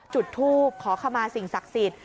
จุดทูปขอขมาสิ่งศักดิ์สิทธิ์